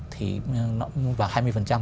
thì nó vào hai mươi